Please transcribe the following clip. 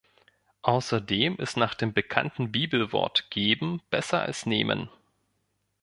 Außerdem ist nach dem bekannten Bibelwort Geben besser als Nehmen.